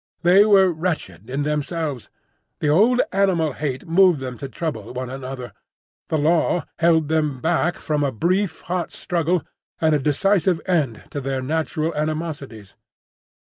They were wretched in themselves; the old animal hate moved them to trouble one another; the Law held them back from a brief hot struggle and a decisive end to their natural animosities.